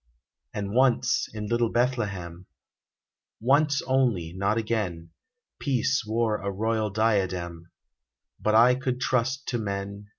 And once, in little Bethlehem — Once only, not again — Peace wore a royal diadem : But I could trust to men.